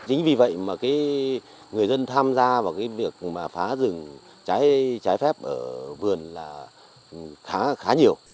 chính vì vậy mà người dân tham gia vào việc phá rừng cháy phép ở vườn là khá nhiều